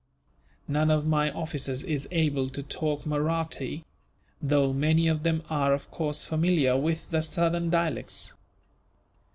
"None of my officers is able to talk Mahratti; though many of them are, of course, familiar with the southern dialects.